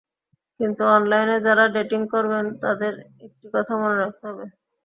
কিন্তু অনলাইনে যাঁরা ডেটিং করবেন তাঁদের একটি কথা মনে রাখতে হবে।